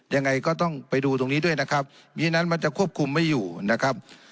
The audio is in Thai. ยังไงก็ต้องไปดูตรงนี้ด้วยนะครับเพราะฉะนั้นมันจะควบคุมไม่อยู่นะครับ